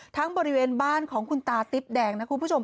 บริเวณบ้านของคุณตาติ๊บแดงนะคุณผู้ชม